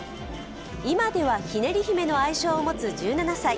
今ではひねり娘の愛称を持つ１７歳。